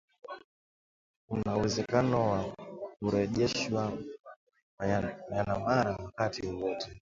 kuna uwezekano wa kurejeshwa Myanmar wakati wowote